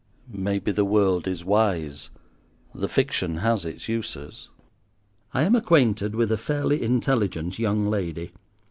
Maybe the world is wise: the fiction has its uses. I am acquainted with a fairly intelligent young lady.